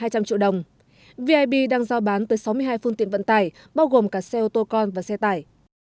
hai trăm linh triệu đồng vip đang giao bán tới sáu mươi hai phương tiện vận tải bao gồm cả xe ô tô con và xe tải